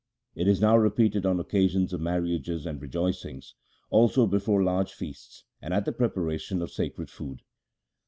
It is now repeated on occasions of marriages and rejoicings, also before large feasts, and at the preparation of sacred food.